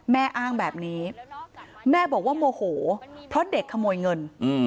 แม่อ้างแบบนี้แม่บอกว่าโมโหเพราะเด็กขโมยเงิน